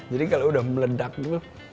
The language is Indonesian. jadi kalau udah meledak tuh